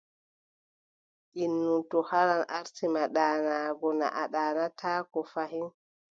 Innu to haran aarti ma ɗaanaago, naa a ɗaanataako fahin.